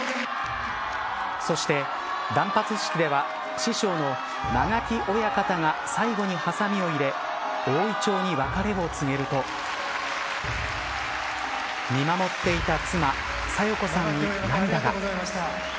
そして、断髪式では師匠の間垣親方が最後に、はさみを入れ大銀杏に別れを告げると見守っていた妻紗代子さんに涙が。